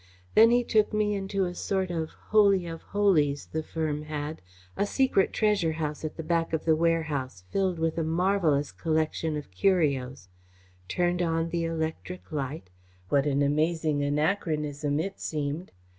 Then he took me into a sort of holy of holies the firm had a secret treasure house at the back of the warehouse, filled with a marvellous collection of curios turned on the electric light what an amazing anachronism it seemed!